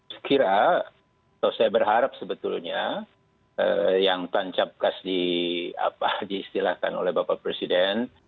saya kira saya berharap sebetulnya yang tancap gas diistilahkan oleh bapak presiden